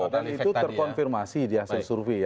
dan itu terkonfirmasi di hasil survei ya